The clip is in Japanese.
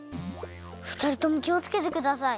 ふたりともきをつけてください。